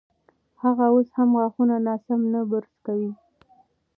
هغه اوس هم غاښونه ناسم نه برس کوي.